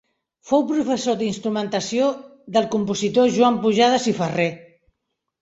Fou professor d'instrumentació del compositor Joan Pujades i Ferrer.